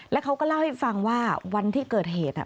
แล้วเขาก็เล่าให้ฟังว่าวันที่เกิดเหตุ